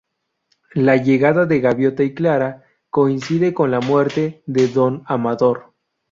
La llegada de Gaviota y Clara coincide con la muerte de Don Amador.